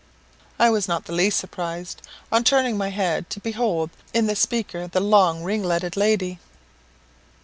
I was not the least surprised, on turning my head, to behold in the speaker the long ringletted lady.